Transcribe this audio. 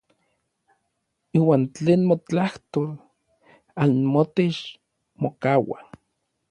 Iuan tlen notlajtol anmotech mokaua.